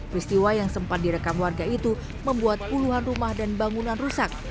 peristiwa yang sempat direkam warga itu membuat puluhan rumah dan bangunan rusak